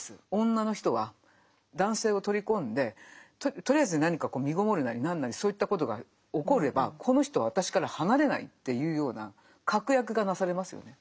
女の人は男性を取り込んでとりあえず何かみごもるなり何なりそういったことが起こればこの人は私から離れないっていうような確約がなされますよね。